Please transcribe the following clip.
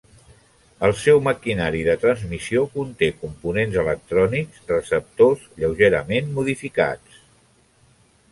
El seu maquinari de transmissió conté components electrònics receptors lleugerament modificats.